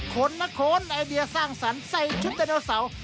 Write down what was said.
คนละคนไอเดียสร้างสรรค์ใส่ชุดไดโนเสาร์